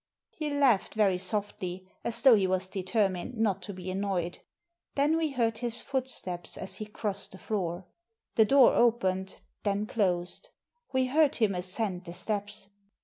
He laughed veiy softly, as though he was deter mined not to be annoyed. Then we heard his foot steps as he crossed the floor. The door opened, then closed. We heard him ascend the steps.